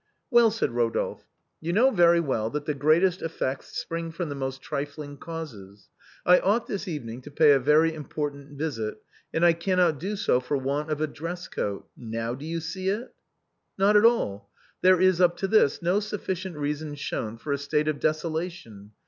" Well," said Rodolphe, " you kn£>w very well that the greatest effects spring from the most trifling causes. I ought this evening to pay a very important visit, and I cannot do so for want of a dress coat. Now do you see it ?"" Not at all. There is up to this no sufficient reason shown for a state of desolation.